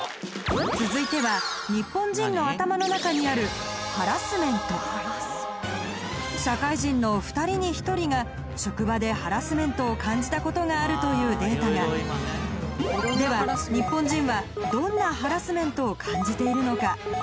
続いてはニッポン人の頭の中にある社会人の２人に１人が職場でハラスメントを感じたことがあるというデータがではニッポン人はどんなハラスメントを感じているのか？